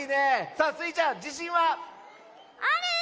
さあスイちゃんじしんは⁉ある！